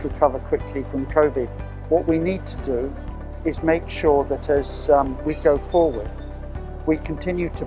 dan masyarakat kita pelan pelan mulai beralih untuk melakukan transaksi ekonomi secara digital